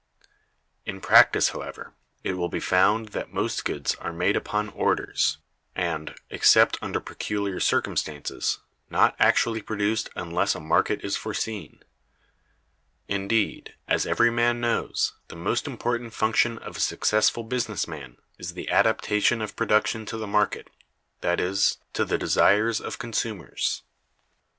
In practice, however, it will be found that most goods are made upon "orders," and, except under peculiar circumstances, not actually produced unless a market is foreseen. Indeed, as every man knows, the most important function of a successful business man is the adaptation of production to the market, that is, to the desires of consumers.